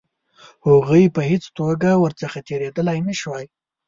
هغوی په هېڅ توګه ورڅخه تېرېدلای نه شوای.